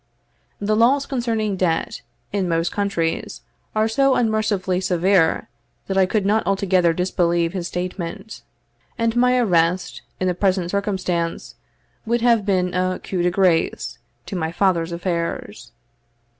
The laws concerning debt, in most countries, are so unmercifully severe, that I could not altogether disbelieve his statement; and my arrest, in the present circumstances, would have been a coup de grace to my father's affairs.